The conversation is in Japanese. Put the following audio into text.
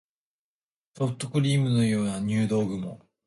ソフトクリームのような入道雲